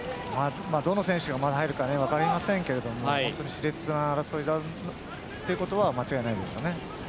どの選手がまだ入るか分かりませんが熾烈な争いだということは間違いないですよね。